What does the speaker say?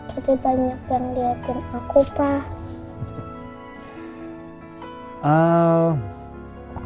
tapi banyak yang liatin aku pas